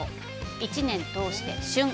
１年通して「旬」。